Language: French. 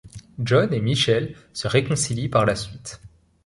John et Michelle se réconcilient par la suite.